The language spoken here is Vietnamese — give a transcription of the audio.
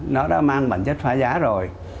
nó đã mang bản chất phá giá rồi